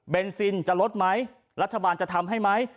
เป็นซินจะลดไหมรัฐบาลจะทำให้ไหม